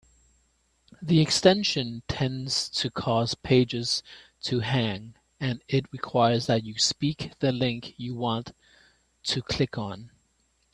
The extension tends to cause pages to hang, and it requires that you speak the link you want to click on.